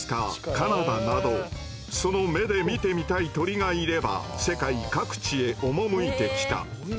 カナダなどその目で見てみたい鳥がいれば世界各地へ赴いてきた。